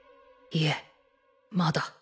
いえまだ